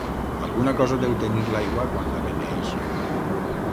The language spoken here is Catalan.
Alguna cosa deu tenir l'aigua quan la beneeixen.